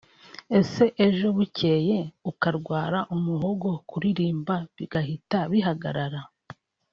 Ese ejo bukeye ukarwara umuhogo kuririmba bigahita bihagarara